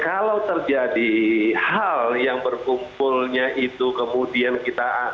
kalau terjadi hal yang berkumpulnya itu kemudian kita